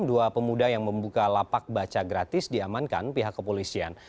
dua pemuda yang membuka lapak baca gratis diamankan pihak kepolisian